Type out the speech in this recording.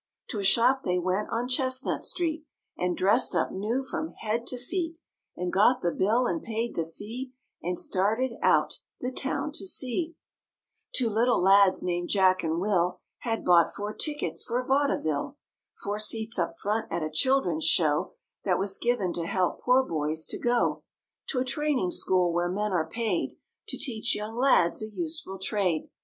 To a shop they went on Chestnut Street And dressed up new from head to feet And got the bill and paid the fee And started out the town to see. 80 MORE ABOUT THE ROOSEVELT BEARS Two little lads named Jack and Will Had bought four tickets for vaudeville; Four seats up front at a children's show That was given to help poor boys to go To a training school where men are paid To teach young lads a useful trade.